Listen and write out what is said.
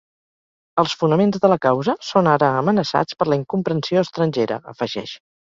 Els fonaments de la causa són ara amenaçats per la incomprensió estrangera, afegeix.